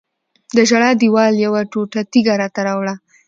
د ژړا دیوال یوه ټوټه تیږه راته راوړه.